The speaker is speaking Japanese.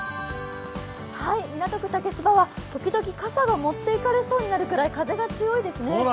港区竹芝は時々、傘が持って行￥いかれそうなぐらい風が強いですね。